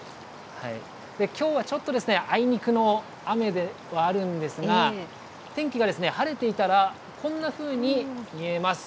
きょうはちょっと、あいにくの雨ではあるんですが、天気が晴れていたら、こんなふうに見えます。